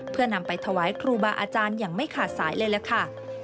เพื่อนำไปถวายครูบาอาจารย์อย่างไม่ขาดสายเลยล่ะค่ะ